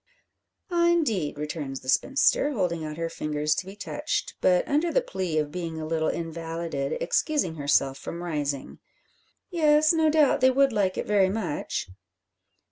"Ah, indeed," returns the spinster, holding out her fingers to be touched, but, under the plea of being a little invalided, excusing herself from rising. "Yes; no doubt they would like it very much."